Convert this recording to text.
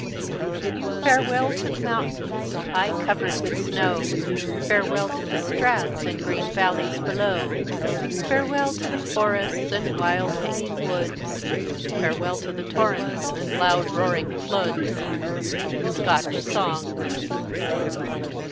"Farewell to the mountains, high covered with snow; Farewell to the straths, and green valleys below; Farewell to the forests, and wild hanging woods, Farewell to the torrents, and loud roaring floods!" _Scotch Song.